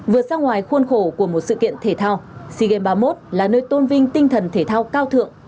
vượt sang ngoài khuôn khổ của một sự kiện thể thao cm ba mươi một là nơi tôn vinh tinh thần thể thao cao thượng